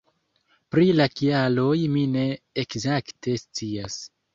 Pri la kialoj mi ne ekzakte scias.